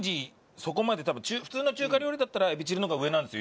そこまで多分普通の中華料理だったらエビチリの方が上なんですよ